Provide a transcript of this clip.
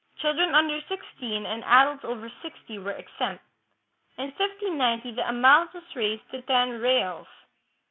Children under sixteen and adults over sixty were exempt. In 1590 the amount was raised to ten reales.